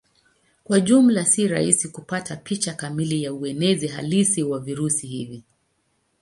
Kwa jumla si rahisi kupata picha kamili ya uenezi halisi wa virusi hivi.